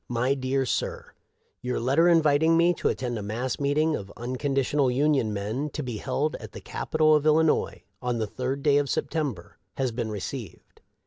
" My Dear Sir :" Your letter inviting me to attend i mass meeting of Unconditional Union men, to be held at the Cap itol of Illinois, on the 3d day of September, has been received.